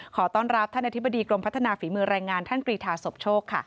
ขอต้อนรับท่านอธิบดีกรมพัฒนาฝีมือรายงานท่านกรีธาสมโชคค่ะ